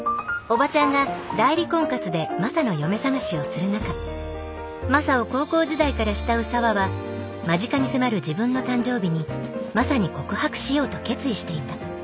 オバチャンが代理婚活でマサの嫁探しをする中マサを高校時代から慕う沙和は間近に迫る自分の誕生日にマサに告白しようと決意していた。